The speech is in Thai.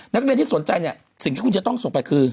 นักเรียนที่สนใจเนี่ยสิ่งที่คุณจะต้องส่งไปคือ